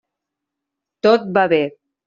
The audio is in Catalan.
Tot va bé.